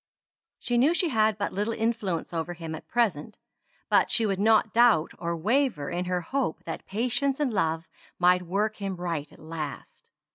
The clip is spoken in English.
She knew she had but little influence over him at present; but she would not doubt or waver in her hope that patience and love might work him right at last.